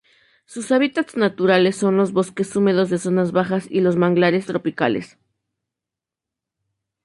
Sus hábitats naturales son los bosques húmedos de zonas bajas y los manglares tropicales.